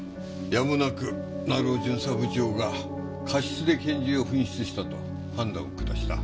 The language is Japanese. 成尾巡査部長が過失で拳銃を紛失したと判断を下した。